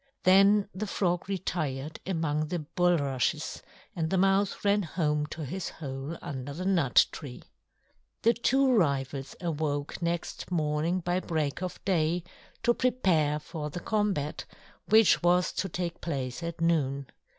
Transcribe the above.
Then the Frog retired among the bulrushes and the Mouse ran home to his hole under the nut tree. The two rivals awoke next morning by break of day to prepare for the combat, which was to take place at noon.